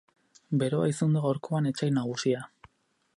Beroa izan du gaurkoan etsai nagusia.